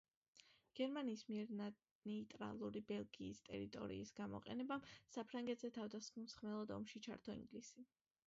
გერმანიის მიერ ნეიტრალური ბელგიის ტერიტორიის გამოყენებამ საფრანგეთზე თავდასასხმელად ომში ჩართო ინგლისი.